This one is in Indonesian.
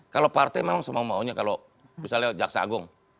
kalau partai memang semau maunya kalau misalnya jaksa agung